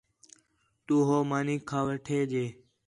تو ہو مانی کھا وٹھے جے